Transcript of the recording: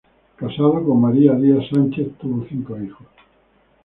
Casado con María Díaz Sánchez tuvo cinco hijos.